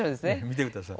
見てください。